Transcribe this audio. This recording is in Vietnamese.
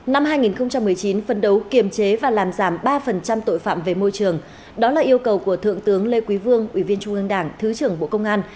năm hai nghìn một mươi chín phân đấu kiềm chế và làm giảm ba tội phạm về môi trường đó là yêu cầu của thượng tướng lê quý vương ủy viên trung ương đảng thứ trưởng bộ công an